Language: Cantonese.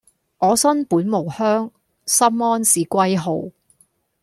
我身本無鄉，心安是歸號